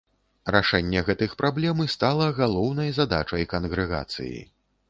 Рашэнне гэтых праблем і стала галоўнай задачай кангрэгацыі.